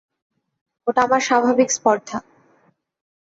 ওটা আমার স্বাভাবিক স্পর্ধা।